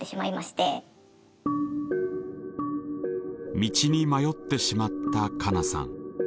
道に迷ってしまったカナさん。